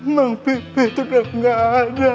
bang pipi tetap gak ada